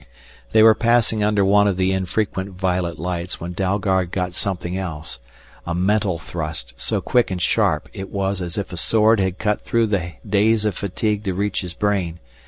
They were passing under one of the infrequent violet lights when Dalgard got something else a mental thrust so quick and sharp it was as if a sword had cut through the daze of fatigue to reach his brain.